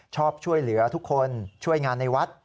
ชอบช่วยเหลือทุกคนช่วยงานในวัด